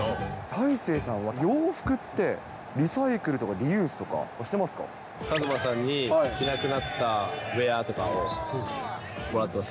大勢さんは洋服って、リサイクルとかリユースとか、してます和真さんに、着なくなったウエアとかをもらってます。